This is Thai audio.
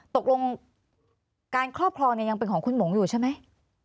ตกลงการครอบครองเนี่ยยังเป็นของคุณหมงอยู่ใช่ไหม